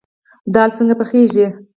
دال څنګه پخیږي؟